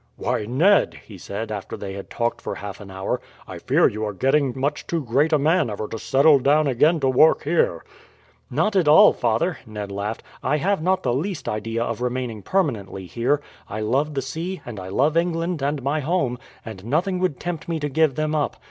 "Why, Ned," he said, after they had talked for half an hour, "I fear you are getting much too great a man ever to settle down again to work here." "Not at all, father," Ned laughed. "I have not the least idea of remaining permanently here. I love the sea, and I love England and my home, and nothing would tempt me to give them up.